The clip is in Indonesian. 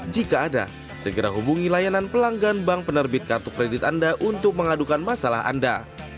jika ada segera hubungi layanan pelanggan bank penerbit kartu kredit anda untuk mengadukan masalah anda